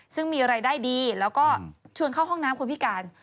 ซึ่งมีรายได้ดีแล้วก็ชวนเข้าห้องน้ำคนพิการ